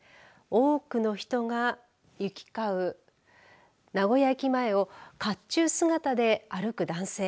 多くの人が行き交う名古屋駅前をかっちゅう姿で歩く男性。